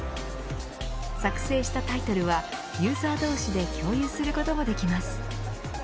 作成したタイトルはユーザー同士で共有することもできます。